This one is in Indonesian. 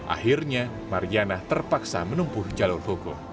akhirnya mariana terpaksa menempuh jalur hukum